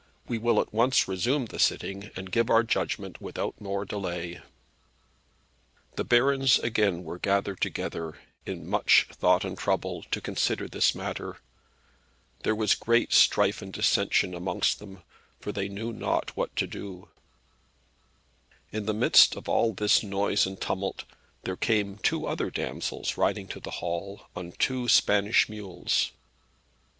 We will at once resume the sitting, and give our judgment without more delay." The barons again were gathered together, in much thought and trouble, to consider this matter. There was great strife and dissension amongst them, for they knew not what to do. In the midst of all this noise and tumult, there came two other damsels riding to the hall on two Spanish mules.